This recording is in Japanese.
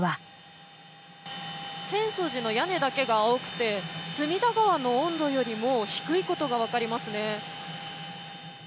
浅草寺の屋根だけが青くて隅田川の温度よりも低いことが分かりますね。